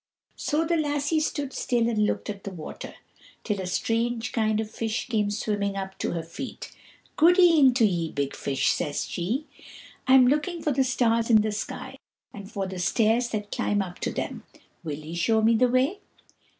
So the lassie stood still and looked at the water, till a strange kind of fish came swimming up to her feet. "Goode'en to ye, big Fish," says she, "I'm looking for the stars in the sky, and for the stairs that climb up to them. Will ye show me the way?"